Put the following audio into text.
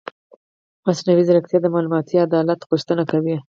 مصنوعي ځیرکتیا د معلوماتي عدالت غوښتنه کوي.